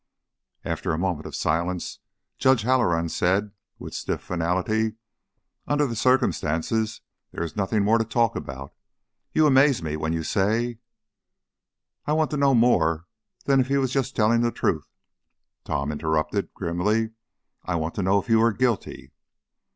After a moment of silence Judge Halloran said, with stiff finality: "Under the circumstances there is nothing more to talk about. You amaze me when you say " "I want to know more than if he was just telling the truth," Tom interrupted, grimly. "I want to know if you were guilty."